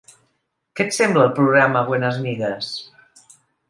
Què et sembla el programa Buenas Migas?